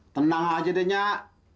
tenang aja deh nyak